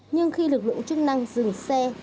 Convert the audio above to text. nhưng khi lực lượng chức năng dừng xe